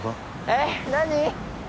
えっ？何？